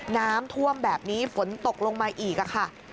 น้ำท่วมแบบนี้ฝนตกลงมาอีกค่ะ